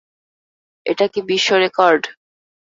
এটা কী বিশ্বরেকর্ড?